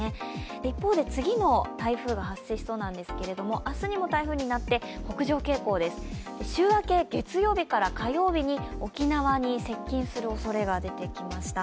一方で次の台風が発生しそうなんですが、明日にも台風になって北上傾向です、週明け月曜日から火曜日に沖縄に接近する恐れが出てきました。